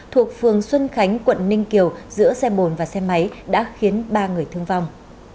thuộc phường xuân khánh quận ninh kiều giữa xe bồn và xe máy đã khiến ba người thương vong